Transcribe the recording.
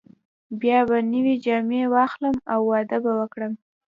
بیا به نوې جامې واخلم او واده به وکړم.